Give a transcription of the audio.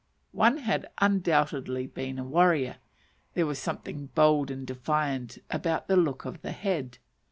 One had undoubtedly been a warrior; there was something bold and defiant about the look of the head.